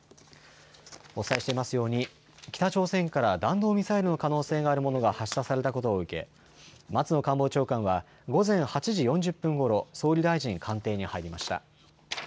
お伝えしていますように北朝鮮から弾道ミサイルの可能性があるものが発射されたことを受け、松野官房長官は午前８時４０分ごろ総理大臣官邸に入りました。